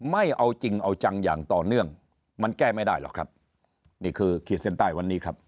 ไม่เอาจริงเอาจังอ้ว์อย่างต่อเนื่องมันแก้ไม่ได้หรอกครับ